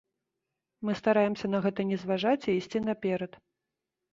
Мы стараемся на гэта не зважаць і ісці наперад.